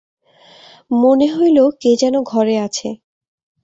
মনে হইল, কে যেন ঘরে আছে।